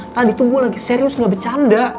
tadi tuh gue lagi serius gak becanda